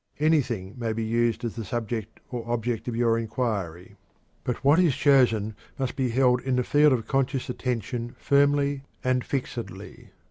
Anything may be used as the subject or object of your inquiry; but what is chosen must be held in the field of conscious attention firmly and fixedly.